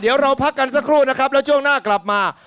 เดี๋ยวเราพักกันสักครู่นะครับแล้วช่วงหน้ากลับมา